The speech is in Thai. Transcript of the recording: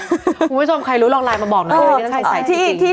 คุณผู้ชมใครรู้ลองไลน์มาบอกหน่อยเลย